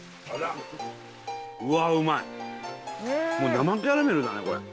もう生キャラメルだねこれ。